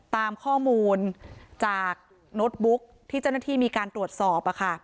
ตามข้อมูลจากโน้ตบุ๊กที่เจ้าหน้าที่มีการตรวจสอบ